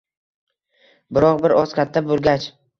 biroq bir oz katta bo‘lgach